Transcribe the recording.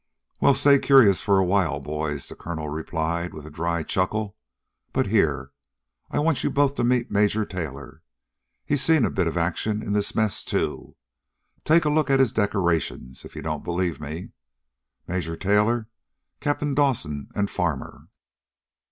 "Well, stay curious for a while, boys," the colonel replied with a dry chuckle. "But here, I want both of you to meet Major Taylor. He's seen a bit of action in this mess, too. Take a look at his decorations, if you don't believe me. Major Taylor, Captains Dawson and Farmer."